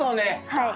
はい。